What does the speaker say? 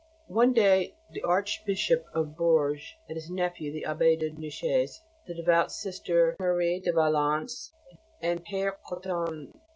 One day the Archbishop of Bourges and his nephew, the Abbé de Neuchèze, the devout Sister Marie de Valence, and Père Cotton, S.